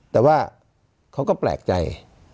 แต่ว่าเขาก็แปลกใจ